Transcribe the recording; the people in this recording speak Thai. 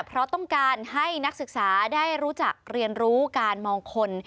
เพราะต้องการให้นักศึกษาได้รู้จักเรียนรู้การมองคน